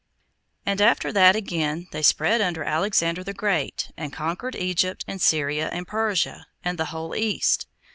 And after that, again, they spread under Alexander the Great, and conquered Egypt, and Syria, and Persia, and the whole East.